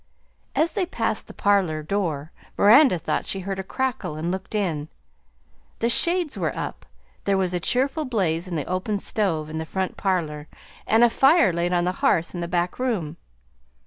As they passed the parlor door Miranda thought she heard a crackle and looked in. The shades were up, there was a cheerful blaze in the open stove in the front parlor, and a fire laid on the hearth in the back room.